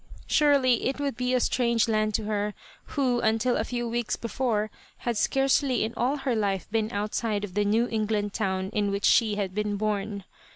Surely it would be a strange land to her, who, until a few weeks before had scarcely in all her life been outside of the New England town in which she had been born.